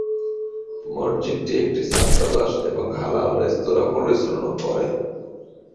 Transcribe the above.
মসজিদটি একটি ছাত্রাবাস এবং হালাল রেস্তোরাঁ পরিচালনা করে।